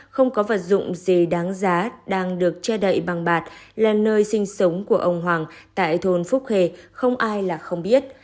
không có vật dụng gì đáng giá đang được che đậy bằng bạt là nơi sinh sống của ông hoàng tại thôn phúc khê không ai là không biết